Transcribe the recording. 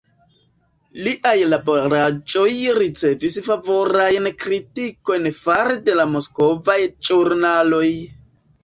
Liaj laboraĵoj ricevis favorajn kritikojn fare de la moskvaj ĵurnaloj.